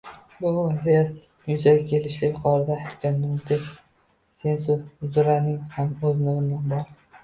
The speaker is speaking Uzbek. Bu vaziyat yuzaga kelishida, yuqorida aytganimizdek senzuraning ham o‘z o‘rni bor.